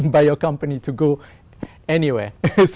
bởi công ty của quý vị